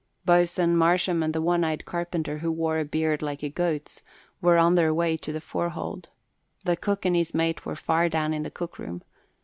Boatswain Marsham and the one eyed carpenter who wore a beard like a goat's were on their way to the forehold. The cook and his mate were far down in the cookroom.